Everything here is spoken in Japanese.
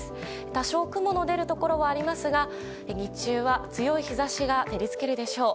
多少雲の出るところはありますが日中は強い日差しが照り付けるでしょう。